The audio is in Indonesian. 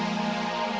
terima kasih ya